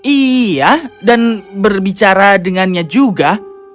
iya dan berbicara dengannya juga